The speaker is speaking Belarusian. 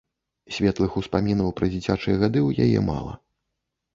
Светлых успамінаў пра дзіцячыя гады ў яе мала.